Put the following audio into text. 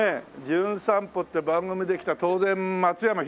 『じゅん散歩』って番組で来た当然松山英樹ですよ。